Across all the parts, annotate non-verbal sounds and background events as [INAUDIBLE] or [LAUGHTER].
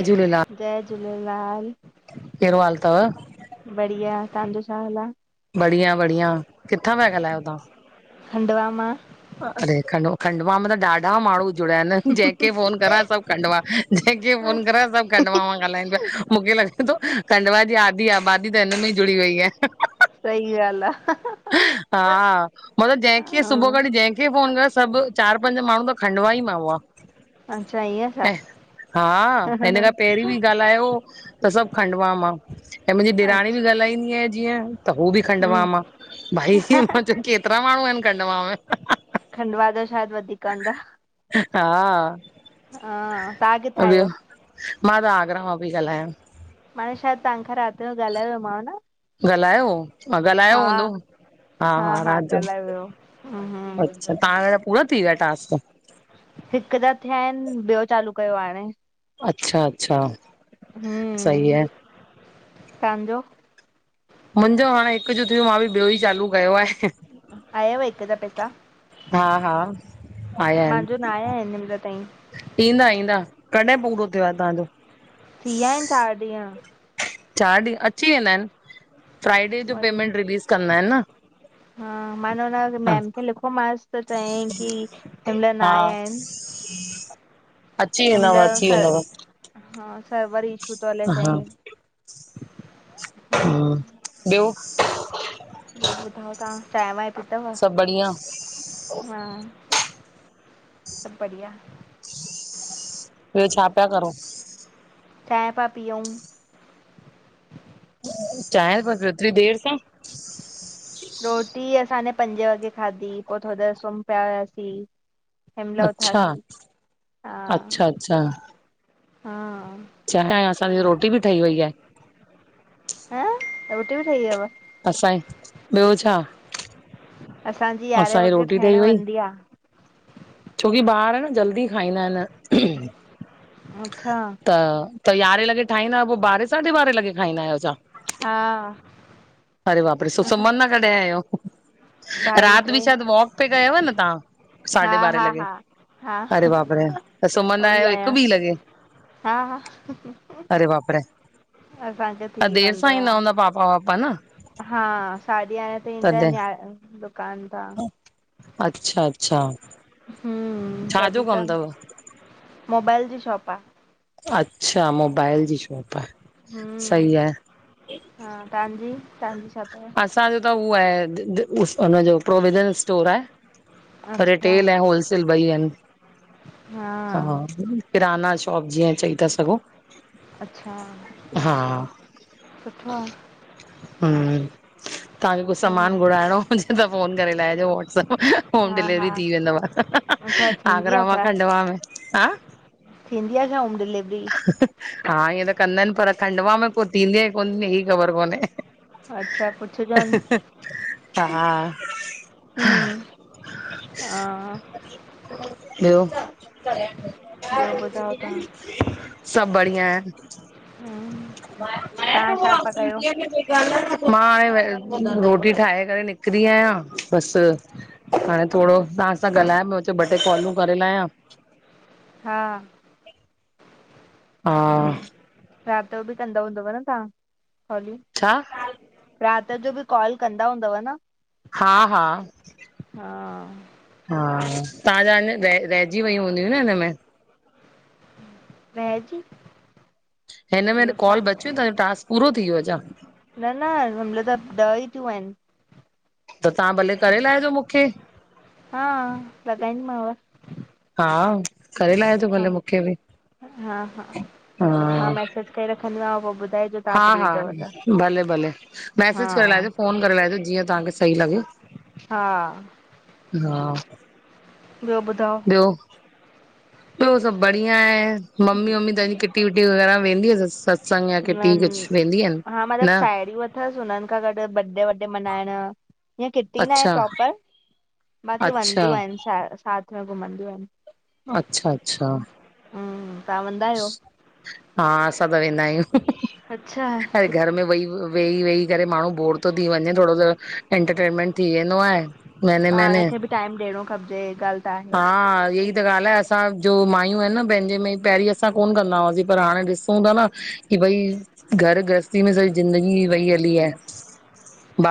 जय झूलेलाल, जय, झूलेलाल कहिड़ो हाल तव? बढिया, तांजो छा हालु आहे? बढ़िया, बढ़िया, किथां पिया ॻालहायो तव्हां? खंडवा, मां अरे! खंड खंडवा, मां त ॾाढा माण्हू जुड़िया आहिनि। जंहिंखे फोन करां, सभु खंडवा जंहिंखे, फोन करां सभु, खंडवा मां ॻाल्हाइनि पिया, मूंखे लॻे थो खंडवा जी आधी, आबादी दी त हिन, में ई जुड़ी, वई आहे। सही, ॻाल्हि आहे। हा, मतलब जंहिंखे, हा, सुबुह खांवठी जंहिंखे, फोन कयोआ, सभु चारि पंज, माण्हू त खंडवा, ई मा हुआ। अच्छा ईअं छा हा, हिन खां पहिरीं बि, ॻाल्हायो त सभु खंडवा मां, ऐं मुंहिंजी ॾेराणी, बि अच्छा ॻाल्हाईंदी आहे, जीअं, त हू बि खंडवा हम्म मां भाई मां चयो, केतिरा माण्हू आहिनि खंडवा में? खंडवा, जा शायदि, वधीक हूंदा। हा। हा, तव्हां किथां ॿियो आहियो? मां, त आगरा, मां पई ॻाल्हायां। माने शायदि, तव्हां सां, राति जो ॻाल्हायोमांव, न ॻाल्हायो, हो ॻाल्हायो हा हूंदो, हा हा, राति जो हम्म, हम्म अच्छा! तव्हां जा पूरा, थी विया टास्क। हिक, त थिया आहिनि, ॿियो चालू कयो हाणे, अच्छा, अच्छा सही हम, आहे त्वां जो मुंहिंजो हाणे हिकु जो थियो, मां बि ॿियो, ई चालू कयो आहे। आयाव, हिकु ज पैसा। हा हा आया मुंहिंजो, न आहिनि आहियाँ आहिहिन हिन महिला ताईं। ईंदा ईंदा, कॾहिं पूरो थियो आहे तव्हांजो? थीिया, आहिनि चारि ॾींहं चारि ॾींहं, अची वेंदा आहिनि। फ्राइडे जो उहोई पेमेंट रिलीज़ कंदा आहिनि, न हा, मान हुन हा मेम खे लिखोमांसि, त चयाईं, कि हिनहिल न आया आहिनि। हम [INAUDIBLE] हन, महिला सर, हा सर वर, इशू थो हले हा चयाई [INAUDIBLE] हम, ॿियो ॿियो ॿुधायो, तव्हां चांहि वांहि, पी तव सभु बढ़िया हा, सभु बढ़िया ॿियो, छा पिया करो? चांहिं पया पी ऊ चांय, कुज़ एतरी, देर सां रोटी, ही साड़े पंजे वॻे खाधी, पोइ थोडी देर सुम्ही, पिया हुयासीं हमल उथान अच्छा थी थक, हा, अच्छा हा चांये, असांजी रोटी, बि ठही वई आहे। हा! रोटी बि, ठही वयव। असाई ॿियो छा असांजी यारहें वॻे रोटी ठहिण ठही वई वेंदी आहे। छोकी ॿार न जल्दी खाईंदा आहिनि। अच्छा त त यारहें लॻे ठाहंदा आहियो पोइ ॿारहें साढे ॿारहें लॻे खाईंदा आहियो छां? हा अरे बाप रे पो सुमनदा कॾहे आहियो? ढाई राति टे बि शायदि वॉक पे कयव न तव्हां। साढे हा बारें हा लॻे हा हा अरे बाप रे त सुमनदा उहो ई आहियो हिकु आहियां बिीह लॻे। हा हा हरे बाप रे असांजो थी त देरि वेन्दो सां ईंदा आ हूंदा पापा वापा न हा साड्डी यारें तई ईंदा तॾहिं आहिन यां दुकान ता अच्छा अच्छा। हम छाजो तॾहिं कमु त अथव मोबाइल जी शॉप आ। अच्छा मोबाइल जी शॉप आ। हम हा तव्हांजी तव्हांजी छा तव? असांजो त उह आहे उनजो प्रोविजन स्टोर आहे। अच्छा रिटेल ऐं होलसेल ॿई आहिनि। हा किराना शॉप जीअं चई था सघो। अच्छा। हा सुठो आ। हम तव्हांखे कुझु सामान हम्म घुराइणो हुजे त फ़ोन करे लाहिजो वाट्सअप होम हा हा डिलेवरी थी वेंदव। अच्छा थींदी आ आगरा मां छा खडंवा में। हा थींदी आ छा होम डिलीवरी? हा ईअं त कंदा आहिनि पर खंडुवा में को थींदी कोन हीअ ख़बर कोन्हे। अच्छा पुछोजोनि। हा हम्म हा ॿियो ॿियो ॿुधायो तव्हां सभु बढ़िया आए। हम्म तव्हां छा पिया कयो मां हाणे रोटी ठाहे करे निकरी आहियां बसि हाणे थोरो तव्हां सां ॻाल्हाए मां चयो ॿ टे कॉलूं करे लाहिया। हा हा राति जो बि कंदां हूंदव न तव्हां काॅलूं छा राति जो बि कॉल कंदा हूंदव न हा हा हा हा तव्हांजा अञां रहिजी वयूं हूंदियूं न हिनमें रहिजी हिन में मतलब छा कॉल बचियूं तवे टास्क पूरो थी वियो छा? न न हिनमहिल त ॾह ई थियूं आहिनि। त तव्हां भले करे लाहिजो मूंखे। हा लॻाईंदीमांव हा करे लाएजो हा भले मूंखे बि हा ॾेई रखंदी माव पोइ बुधाईंजो। हा हा भले भले हा मैसेज करे लाहिजो फ़ोन करे लाहिजो जीअं तव्हांखे सही लॻे। हा हा ॿियो ॿुधायो। ॿियो ॿियो सभु बढ़िया आहे मम्मी वम्मी तहांजी किटी विटी वग़ैरह में वेंदी अन सत्संग या न किटी कुझु वेंदी अन हा मतलबु न। साहेड़ियूं अथसि हुननि खां गॾु बॾे वॾे मंहाइण। हीअं किटी ना आहे अच्छा प्रोपर बाक़ी अच्छा वंदियूं आहिनि साथ में घुमंदियूं आहिनि। अच्छा अच्छा हं तहां वंदा आयो? हा असां त वेंदा आयूं अच्छा अरे घर में वेही वेही वेही करे माण्हू बोर थो थी वञे थोरो सो एंटरटेनमेंट थी वेंदो आहे महिने महिने। पाण खे बि टाइम ॾियणो खप इे ॻाल्ह त आहे। हा ईएई। त ॻाल्हि आहे असांजो माययूं आहिन न पंहिंजे में पहिरीं अ असां कोन कंदा हुआसीं पर हाणे ॾिसूं था न की भई घर ग्रहस्थी में सॼी ज़िंदगी ही वई हली आहे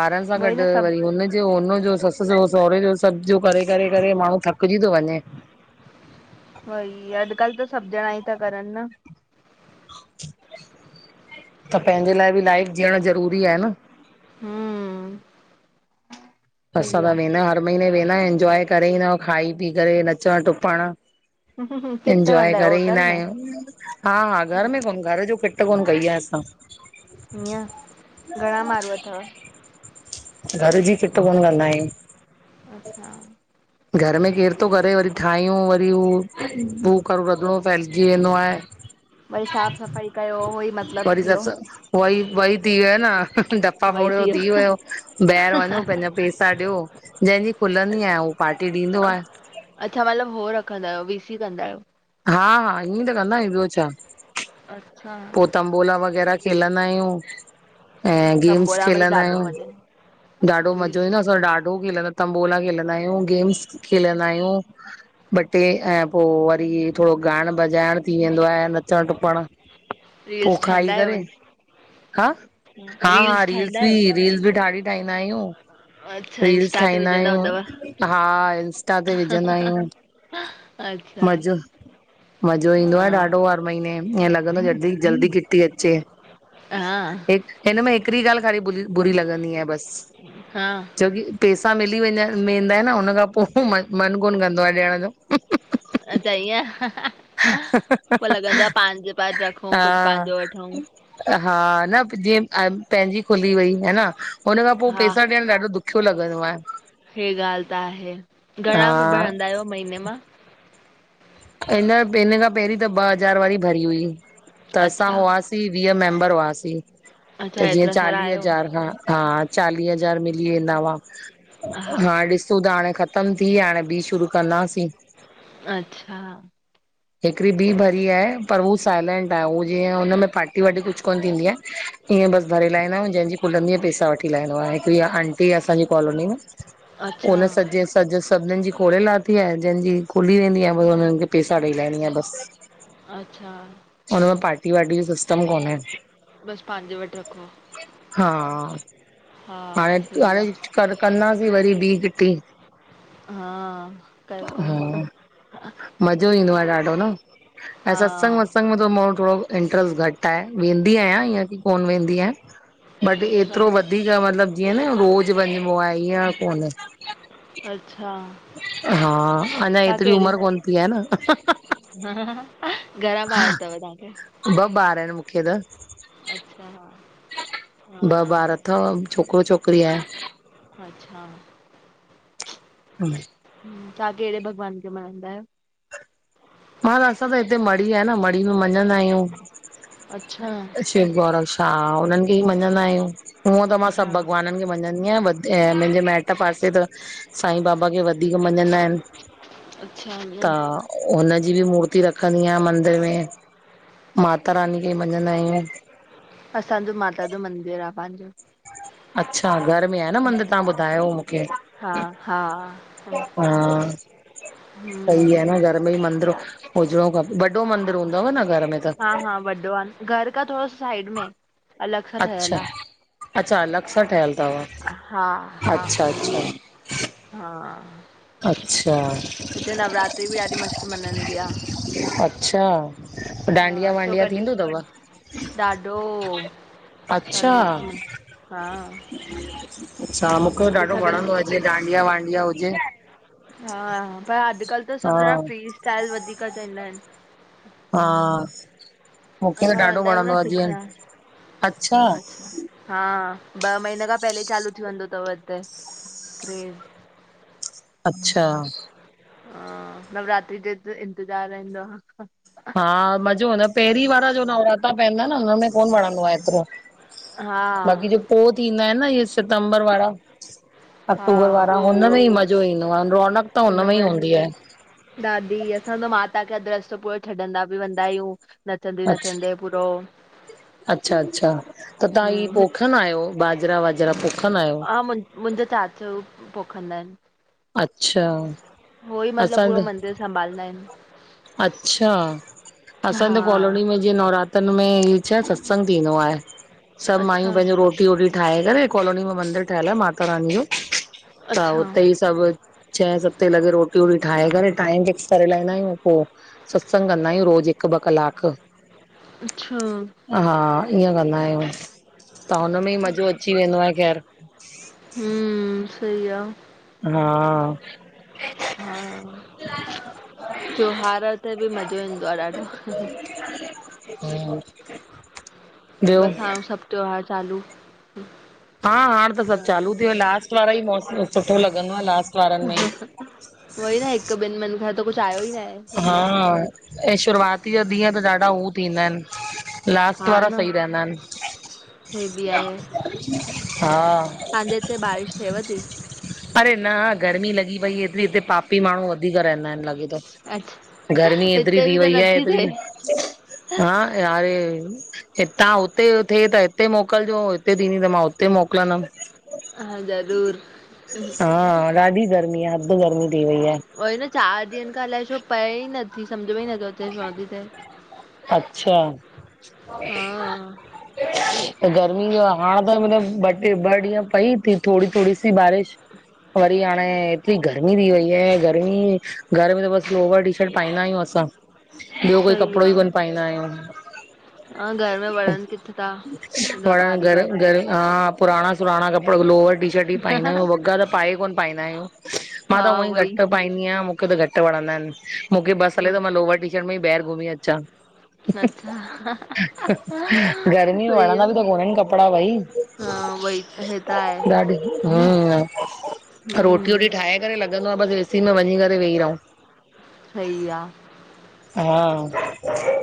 ॿारनि सां उई गॾु न वरी सभु हुन पियो हुन जो ससु सो सहुरे जो सब जो करे करे करे माण्हू थकिजी थो वञे। वई अॾकल्ह त सभु जणा ई था करनि न। त पंहिंजे लाइ बि लाइफ जीअण ज़रूरी आहे न। हूं। असां त वेंदा आयूं हर महीने वेंदा आइन एंजॉय करे ईंदा आयूं खाई पी करे नचणु टुपण। आहे किथे एंजॉय वेंदा आहियो करे होटल ईंदा में आयूं। हा हा घर में ईअं कोन घर जो खिट कोन कई आ असां। ईअं, घणा माण्हू अथव? घर जी खिट कोन कंदा आयूं। अच्छा। घर में केर थो करे वरी ठाहियूं वरी हू हू कर रधिणो फैलिजी वेंदो आए। [INAUDIBLE] वरी साफ़ु सफ़ाई कयो उहो ई मतिलबु थियो। उहोई उहोई थी वयो न ॾपा फोड़ियो थी वियो। ॿाहिरि वञो पेंजा पैसा ॾियो जहिंजी खुलंदी आहेयं उहो पार्टी ॾींदो आहे। अच्छा मतिलबु हो रखंदा आहियो वी सी कंदा आयो। हा हा ईअं त कंदायूं ॿियो छा। अच्छा, पो तंबोला वग़ैरा खेलंदा आयूं। ऐं गेम्स तंबोला में त खेलंदा ॾाढो आहियूं मज़ो ईंदो ॾाढो मज़ो रील्स ईंदो आहे असां ठाहे ॾाढो खेलंद तम्बोला खेलंदा आयूं गेम्स खेलंदा आयूं। ॿ टे ऐं पोइ वरी थोरो ॻायण बजाइण थी वेंदो आहे नचण टुपण। पोइ रील्स खाई ठाहींदा आयो करे वरी। हा हा हा रील्स ठाहींदा बि आहियो रील्स बि ठाढी ठाहींदा आहियूं। अच्छा रील्स इंस्टा ते ठाहींदा विझंदा हूंदव आहियूं हा इंस्टा ते विझंदा आहियूं। अच्छा मज़ो मज़ो ईंदो हा आहे ॾाढो हर महीने ईअं लॻंदो जल्दी जल्दी किटी् अचे हा हि हिन में हिकड़ी ॻाल्हि ख़ाली बुली बुरी लॻंदी आहे बस हा छोकी पैसा मिली वेंदा आयन न हुनन खां पो म मन कोन कंदो आहे ॾियण जो। अच्छा ईय ह ह है। पो लॻंदो आहे पांजे पास रखूं कुझु पंहिंजो हा वठयूं। हा न जीअ पंहिंजी खुली वई हे ना हुन खां पोइ हा पेसा ॾियण ॾाढो दुख छो लॻंदो आहे? हे ॻाल त आहे घणा बि हा भरंदा आयो महीने मां? हींजर हिन खां पहिरीं त ॿ हज़ार वारी भरी हुई त असां अच्छा हुआसीं। वीह मेंबर हुआसीं अच्छा त जीअं हेतिरा सारा चालीह आहियो हज़ार हा हा। चालीह हज़ार मिली वेंदा हुआ हा ॾिस सूद हाणे ख़तम थी आ हाणे बि शुरू कंदासीं। अच्छा। हिकड़ी ॿी भरी आये पर हू साइलेंट आये हूअ जीअं हुन में पार्टी वा्टी कुझ कोन थींदी आये। इअं बस भरे लाहींदायूं जंहिंजी खुलंदी आ पैसा वठी लाहंदो आ हिकड़ी आंटी आ असांजी कॉलोनी में। अच्छा हुनन सॼऐ सॼ सभिनीनि जी खोले लाथी आहे जंहिंजी खुली वेंदी आहे हुनन पैसा ॾईलायिंदीया बस अच्छा हुनमें पार्टी वार्टी जो सिस्टम कोने। बसि पंहिंजे वटि रखो हा हा हाणे सही हाणे आ कर कंदासीं वरी ॿीं किटी। हा कयो-कयो। हा मज़ो ईंदो आ ॾाढो न ऐं हा सत्संग वत्संग में थो मुझो थोरो इंट्र्स्ट घट ताय वेंदी आहियां ईअं की कोन वेंदी आहियां। बट अच्छा एतिरो वधीक मतलब जीअं न रोज़ वञिबो आ ईअं कोने। अच्छा। हा अञा एतिरी उमर कोन थी आहे न। हहहह घणा ॿार तव तव्हांखे? ॿ ॿार आयन मूंखे त। अच्छा हा। ॿ ॿार अथव छोकरो छोकिरी आये। अच्छा। हम तां केड़े भॻवान खे मनंदा आयो। ह त असां त हिते मड़ी आहे न मड़ी में मञंदा आहियूं। अच्छा। शिव गौरव शा उनन खे ई मञंदा आयूं। हूअं त मां सॿ हा भॻवानन खे मञंदी आयां मुंजे मैट पासे त सांईं बाबा खे वधीक मञंदा आयन। अच्छा ईअं? हुनजी ॿि मूर्ति रखंदी आयां मंदिर में माता रानी खे मञंदा आयूं। असांजो माता जो मंदिर आ पांजो। अच्छा घर में आ न मंदिर तां ॿुधायो मूंखे। हा हा हा। सही हम्म आ न घर में ई मंदिर हुजणो खपे वॾो मंदिर हूंदव न घर में त? हा हा वॾो आ न। घर का थोरो साइड में। अलॻि सां अच्छा ठहियलु अच्छा अलॻि सां ठहियल अथव आ, हा हा अच्छा अच्छा हा। अच्छा। हिते नवरात्री बि ॾाढी मस्तु मनंदी आ। अच्छा, हा डांडिया अचो वांडिया कॾहिं थींदो तव? ॾाढो, अच्छा ॾाढो मस्त म हा। अच्छा मूंखे हिते ॾाढो सभिनि खे वणंदो आ जे डांडिया वांडिया हुजे। हा पर अडकल्ह त हा सभु ॼणा फ्री स्टाइल वधीक चवंदा आहिनि। हा मूंखे त असां ॾाढो वेंदा आहियूं न वणंदो आ जीअं सिखण अच्छा। हा ॿ महीना खां पहले चालू थी वेंदो तव हिते क्रेज़। अच्छा। ह नवरात्री जो त इंतज़ार रहंदो आ। हा मज़ो हदो आहे पहिरीं वारा जो नवराता पवंदा न हुनमें कोन वणंदो आ एतिरो। हा बाक़ी जो पो थींदा आहिनि न इहे सितंबर वारा। अक्टूबर हा वारा उहो हुन में ई उहो मज़ो ईंदो आहे रोनक त हुन में ई उनमें हूंदी आहे। दादी असां त माता खे अध रस्तो पूरो छॾंदा बि वेंदा आयूं। अच्छा नचंदे पूरो, अच्छा अच्छा त तव्हां ई हम्म हित- पोखन आहियो बाजरा वाजरा पोखन आहियो। आ मु मुंजो चाचो पोखंदा आहिनि। अच्छा उहो ई मतिलब पूरो मंदर संभालंदा आहिनि। अच्छा असां हा त कॉलोनी में ऐ नवरात्रनि में छा सत्संग थींदो आहे सभु मायूं अच्छा पंहिंजो रोटी वोटी ठाहे करे कॉलोनी में मंदर ठहल आ माता रानी जो त अच्छा उते ई सभु छह सते लॻे रोटी वोटी ठाहे करे टाइम फिक्स करे लाईंदा आयूं। पोइ सत्संग कंदा आयूं रोज़ हिकु ॿ कलाक अच्छा हा ईअं कंदा आयूं त हुनमें ई मज़ो अची वेंदो आहे ख़ैर। हूं, सई आ। हा। हा त्योहार ते बि मज़ो ईंदो आ ॾाढो, हूं, बसि हाणे सभु त्योहार चालू हा हाणे त सभु चालू थी वियो लास्ट वारा ई मौस सुठो लॻंदो आहे ला उहो ई न हिकु ॿिनि महनि खां त कुझु आयो ई नाए। हा ऐं शुरआती जा ॾींअं त ॾाढा हू थींदा आहिनि। लास्ट हा वारा न सही रहंदा आनि हे बि हा। तांजो हिते बारिश थिएव थी? अड़े न गर्मी लॻी पई एतिरी हिते पापी माण्हू वधीक रहंदा आहिनि लॻे अच्छा थो। गर्मी एतरी हिते थी बि त वईया नथी एतिरी थिए हा यारे। हितां हुते थिए त हिते मोकिलिजो हिते थींदी त मां हुते मोकिलंदमि। हा ज़रूर, हा ॾाढी गर्मी आहे अध गर्मी थी वई आहे। चारि ॾींहंनि खां अलाए छो पए ई नथी सम्झ में ई नथो अचे शो नथी थे। अच्छा। त गर्मी जो आ हाण त मतिलबु ॿ टे ॿ ॾींहं पई थी थोडी थोडी सी बारिश वरी हाणे एतिरी गर्मी थी वई आहे गर्मी घर में त बसि लोवर टीशर्ट पाईंदा आहियूं असां ॿियो कोई सही कपिड़ो आ ई कोन पाईंदा आहियूं हा घर में वणनि किथे था हेॾा वण भारी घर भारी घरु हा पुराणा सुराणा कपिड़ा लोवर टीशर्ट ई पाईंदा आहियूं, वॻा त पाए कोन पाईंदा आहियूं मां हा त हूअं ई उहोई घटि पाईंदी आहियां मूंखे त घटि टि वणंदा आहिनि मूंखे बस हले त मां अच्छा लोवर टीशर्ट में ई ॿाहिरि घुमी अचां। अच्छा हंहंअहं गर्मी में सई आ। वणंदा बि त कोन आहिनि कपिड़ा भई हा वई त हे त आहे। ॾाढी हम्म रोटी वोटी हम्म ठाहे करे लॻंदो आ बसि एसी में वञी करे वेही रहूं। सही आ। हा।